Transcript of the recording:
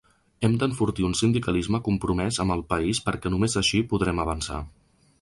Hem d’enfortir un sindicalisme compromès amb el país perquè només així podrem avançar.